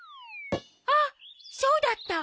あっそうだった！